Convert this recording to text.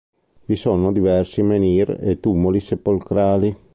Vi sono diversi menhir e tumuli sepolcrali.